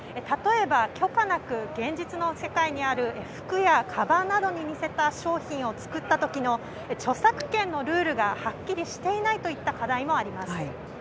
例えば、許可なく現実の世界にある服やかばんなどに似せた商品を作ったときの著作権のルールがはっきりしていないといった課題もあります。